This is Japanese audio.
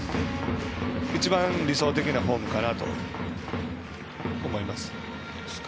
一番理想的なフォームかなと思います。